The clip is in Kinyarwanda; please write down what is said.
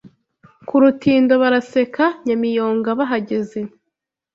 Ku rutindo baraseka Nyamiyonga bahageze